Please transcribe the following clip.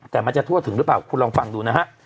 แต่มันจะทั่วถึงหรือเปล่าคุณลองฟังดูนะฮะ